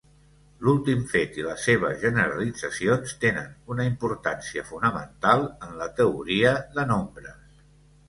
L'últim fet i les seves generalitzacions tenen una importància fonamental en la teoria de nombres.